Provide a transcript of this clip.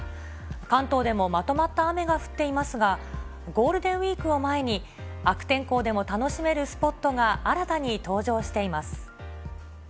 関東でもまとまった雨が降っていますが、ゴールデンウィークを前に、悪天候でも楽しめるスポットが新たに登場しています。